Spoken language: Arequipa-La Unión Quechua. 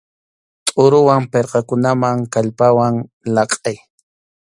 Tʼuruwan pirqakunaman kallpawan laqʼay.